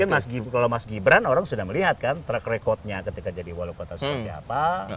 tapi kalau mas gibran orang sudah melihat kan track recordnya ketika jadi wali kota seperti apa